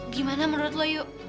gimana menurut lo yu